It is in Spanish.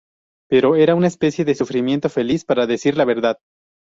Pero, era una especie de sufrimiento feliz, para decir la verdad.